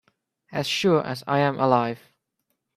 As sure as I am alive